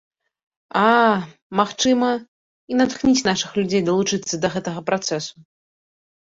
А, магчыма, і натхніць нашых людзей далучацца да гэтага працэсу.